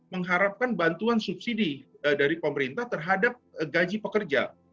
mengharapkan bantuan subsidi dari pemerintah terhadap gaji pekerja